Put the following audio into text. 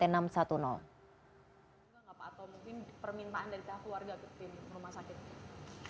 atau mungkin permintaan dari pihak keluarga ke rumah sakit polri